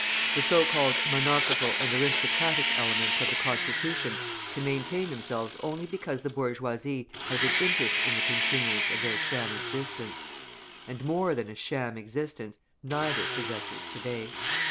The so called monarchical and aristocratic elements of the Constitution can maintain themselves only because the bourgeoisie has an interest in the continuance of their sham existence; and more than a sham existence neither possesses to day.